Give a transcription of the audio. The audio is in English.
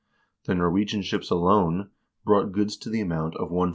The Norwegian ships alone brought goods to the amount of £ 1067.